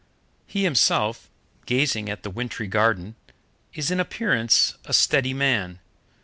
He himself, gazing at the wintry garden, is in appearance a steady man.